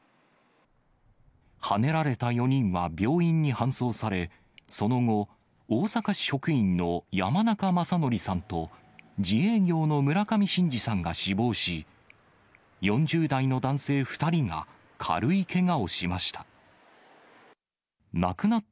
はねられた４人は病院に搬送され、その後、大阪市職員の山中正規さんと、自営業の村上伸治さんが死亡し、４０代の男性２人が軽いけがをしました。